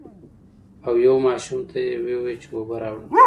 او يو ماشوم ته يې ووې چې اوبۀ راوړه ـ